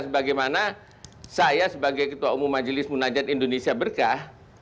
sebagaimana saya sebagai ketua umum majelis munajat indonesia berkah